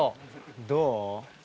・どう？